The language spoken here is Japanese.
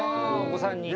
お子さんに。